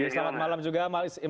selamat malam juga mas ilham